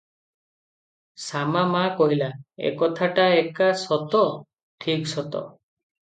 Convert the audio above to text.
ଶାମା ମାଆ କହିଲା, "ଏକଥାଟାଏକା ସତ, ଠିକ୍ ସତ ।